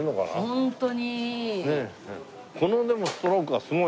ホントに。